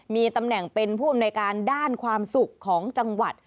มีตำแหน่งเป็นผู้อำนวยการด้านความสุขของจังหวัด